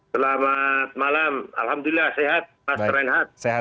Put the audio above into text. selamat malam alhamdulillah sehat mas renhat